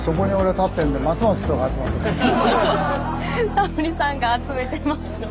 タモリさんが集めてます。